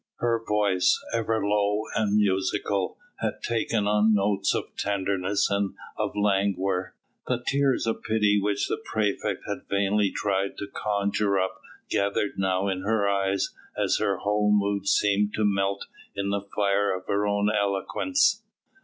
Her voice, ever low and musical, had taken on notes of tenderness and of languor. The tears of pity which the praefect had vainly tried to conjure up gathered now in her eyes as her whole mood seemed to melt in the fire of her own eloquence.